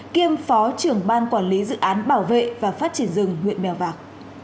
kiêm phó trưởng ban quản lý dự án bảo vệ và phát triển rừng huyện mèo vạc